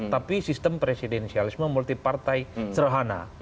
tapi sistem presidensialisme multi partai serhana